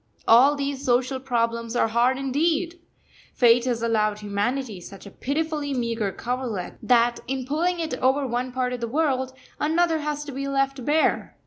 All these social problems are hard indeed! Fate has allowed humanity such a pitifully meagre coverlet, that in pulling it over one part of the world, another has to be left bare.